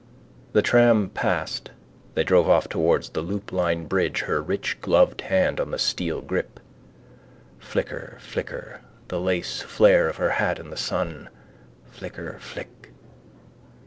The tram passed. They drove off towards the Loop Line bridge, her rich gloved hand on the steel grip. Flicker, flicker: the laceflare of her hat in the sun: flicker, flick.